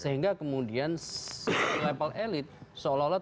sehingga kemudian level elit seolah olah